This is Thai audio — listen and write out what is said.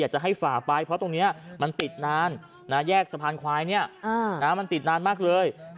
จะให้ฝ่าไปเพราะตรงนี้มันติดนานแยกสะพานควายมันติดนานมากเลย